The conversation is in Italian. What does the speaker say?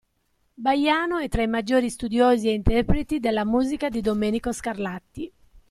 Baiano è tra i maggiori studiosi ed interpreti della musica di Domenico Scarlatti.